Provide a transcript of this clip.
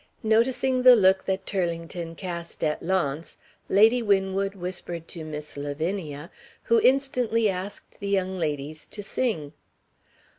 Noticing the look that Turlington cast at Launce, Lady Winwood whispered to Miss Lavinia who instantly asked the young ladies to sing.